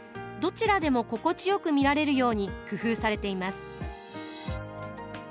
どちらでも心地よく見られるように工夫されています。